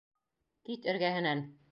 Кит эргәһенән.